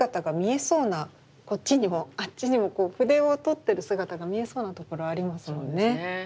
こっちにもあっちにも筆をとってる姿が見えそうなところありますよね。